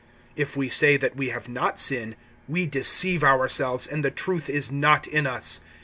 (8)If we say that we have not sin, we deceive ourselves, and the truth is not in us.